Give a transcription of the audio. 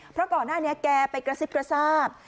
เพราะก่อนหน้านี้แกไปกระซิบกระซาบ